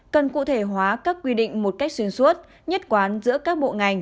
cần cụ thể hóa các quy định một cách xuyên suốt nhất quán giữa các bộ ngành